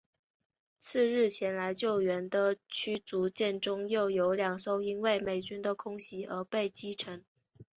次日前来救援的驱逐舰中又有两艘因为美军的空袭而被击沉。